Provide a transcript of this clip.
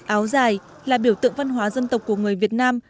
áo dài là biểu tượng văn hóa dân tộc của người việt nam